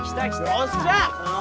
よっしゃ！